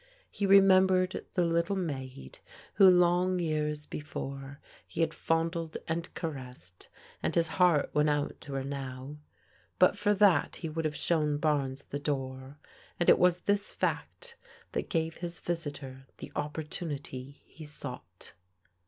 He remembered the little maid, who, long years before, he had fondled and caressed, and his heart went out to her now. But for that he would have shown Barnes the door, and It was this fact that gave his visitor the oppor tunity he sought.